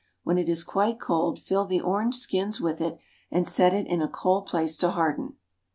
When it is quite cold, fill the orange skins with it, and set in a cold place to harden.